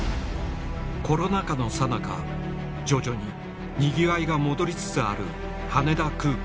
コロナ禍のさなか徐々ににぎわいが戻りつつある羽田空港